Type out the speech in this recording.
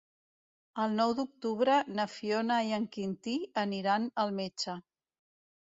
El nou d'octubre na Fiona i en Quintí aniran al metge.